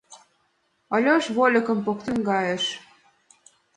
Ольош вольыкым поктен наҥгайыш.